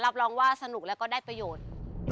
รับรองว่าสนุกแล้วก็ได้ประโยชน์